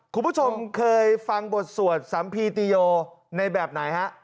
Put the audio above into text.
คุณผู้ชมเคยฟังบทสวดสัมภีติโยในแบบไหนฮะ